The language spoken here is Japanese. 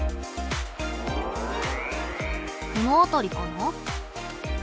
この辺りかな？